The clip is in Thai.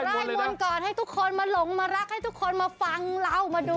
สิทธิเท้าฝืนจรรสีให้ลูกมีคนรักคนแม่ตา